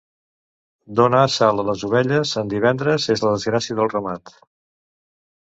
Donar sal a les ovelles en divendres és la desgràcia del ramat.